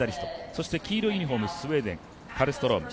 そして黄色いユニフォーム、スウェーデンカルストローム。